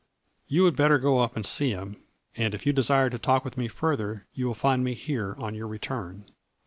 You would better go up and see him and if you desire to talk with me further you will find me here on your return."